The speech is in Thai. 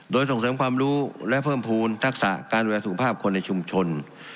โดยส่งเสริมความรู้และเพิ่มภูมิทักษะการดูแลสุขภาพคนในชุมชน